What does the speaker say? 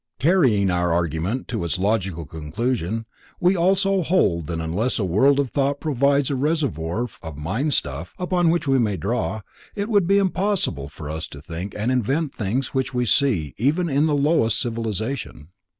Carrying our argument to its logical conclusion, we also hold that unless a World of Thought provides a reservoir of mind stuff upon which we may draw, it would be impossible for us to think and invent the things which we see in even the lowest civilization.